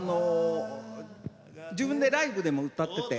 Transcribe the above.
自分でライブでも歌ってて。